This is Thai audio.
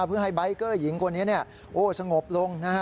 เพื่อให้ไบค์เกอร์หญิงคนนี้โอ้สงบลง